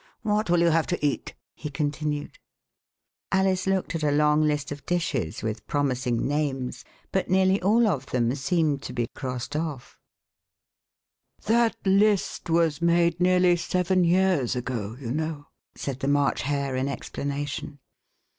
What will you have to eat ?" he continued. Alice looked at a long list of dishes with pro mising names, but nearly all of them seemed to be crossed off. S3 The Westminster Alice "That list was made nearly seven years ago, you know," said the March Hare, in explanation.